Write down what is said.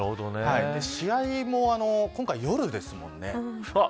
試合も今回、夜ですもんね。